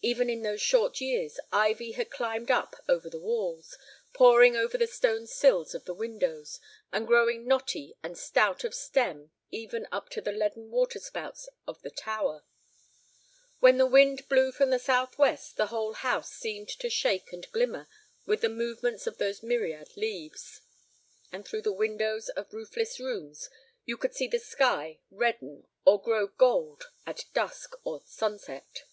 Even in those short years ivy had climbed up over the walls, pouring over the stone sills of the windows, and growing knotty and stout of stem even up to the leaden water spouts of the tower. When the wind blew from the southwest the whole house seemed to shake and glimmer with the movements of those myriad leaves. And through the windows of roofless rooms you could see the sky redden or grow gold at dawn or sunset.